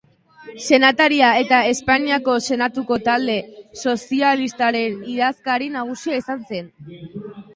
Senataria eta Espainiako Senatuko Talde Sozialistaren idazkari nagusia izan zen.